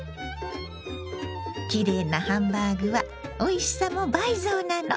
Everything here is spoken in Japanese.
きれいなハンバーグはおいしさも倍増なの。